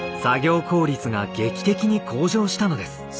作業効率が劇的に向上したのです。